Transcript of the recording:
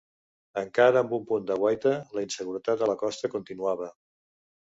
Encara amb un punt de guaita, la inseguretat a la costa continuava.